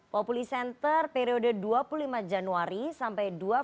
populi center periode dua puluh lima januari sampai dua puluh empat maret